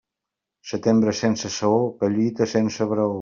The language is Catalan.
Setembre sense saó, collita sense braó.